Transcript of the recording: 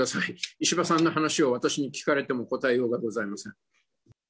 石破さんの話を私に聞かれても、答えようがございません。